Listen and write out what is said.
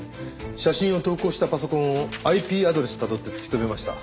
写真を投稿したパソコンをＩＰアドレスたどって突き止めました。